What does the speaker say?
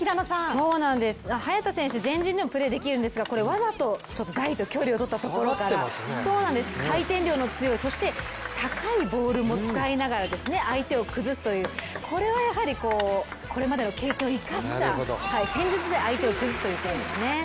そうなんです、早田選手、前陣でもプレーできるんですがこれわざとちょっと台と距離をとったところから回転量の強いそして高いボールも使いながら相手を崩すという、これはやはりこれまでの経験を生かした戦術で相手を崩すということですね。